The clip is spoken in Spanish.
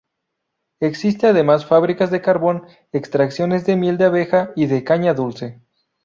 Existen además, fabricas de carbón, extracciones de miel de abeja y de caña dulce.